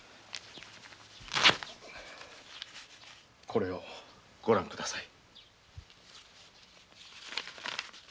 これをご覧ください。